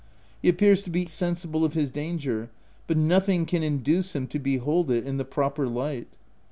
He appears to be sensible of his danger ; but nothing can induce him to be hold it in the proper light.